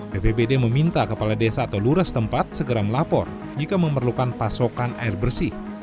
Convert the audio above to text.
bpbd meminta kepala desa atau luras tempat segera melapor jika memerlukan pasokan air bersih